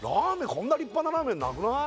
こんな立派なラーメンなくない？